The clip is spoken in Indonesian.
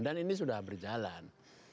dan ini sudah berjalan